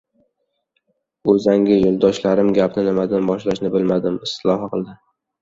Uzangi yo‘ldoshlarim gapni nimadan boshlashini bilmadi. Istihola qildi.